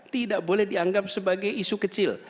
tidak boleh dianggap sebagai isu kecil